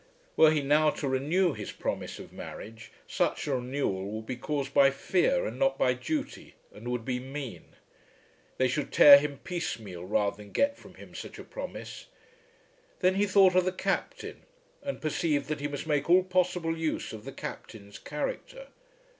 Were he now to renew his promise of marriage, such renewal would be caused by fear and not by duty, and would be mean. They should tear him piecemeal rather than get from him such a promise. Then he thought of the Captain, and perceived that he must make all possible use of the Captain's character.